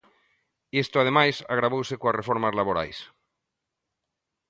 Isto, ademais, agravouse coas reformas laborais.